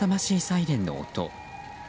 サイレンの音。